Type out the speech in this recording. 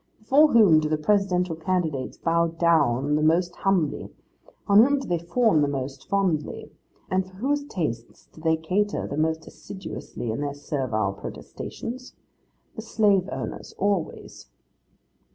Before whom do the presidential candidates bow down the most humbly, on whom do they fawn the most fondly, and for whose tastes do they cater the most assiduously in their servile protestations? The slave owners always.